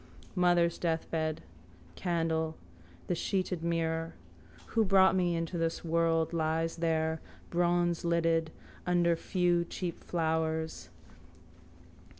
Mother's deathbed. Candle. The sheeted mirror. Who brought me into this world lies there, bronzelidded, under few cheap flowers.